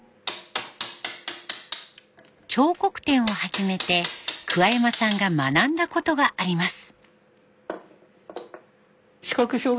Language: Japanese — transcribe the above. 彫刻展を始めて山さんが学んだことがあります。